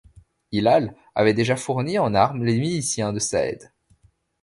Hilal avait déjà fourni en armes les miliciens de Saeed.